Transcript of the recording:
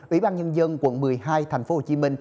ủy ban nhân dân quận một mươi hai tp hcm